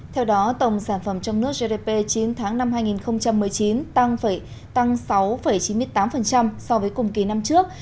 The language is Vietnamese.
theo đó tổng sản phẩm trong nước gdp chín tháng năm hai nghìn một mươi chín tăng sáu chín mươi tám so với cùng kỳ năm trước